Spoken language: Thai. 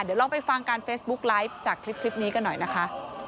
เดี๋ยวลองไปฟังการเฟซบุ๊กไลฟ์จากคลิปนี้กันหน่อยนะคะ